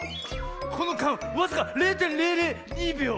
このかんわずか０．００２びょう。